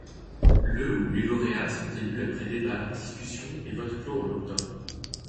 Le ou les lauréats sont élus après débats, discussions et votes clos en octobre.